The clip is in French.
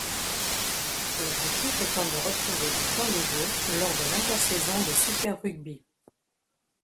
L'objectif étant de retrouver du temps de jeux lors de l'intersaison de Super Rugby.